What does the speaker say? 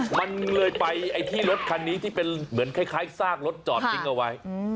มันเลยไปไอ้ที่รถคันนี้ที่เป็นเหมือนคล้ายซากรถจอดทิ้งเอาไว้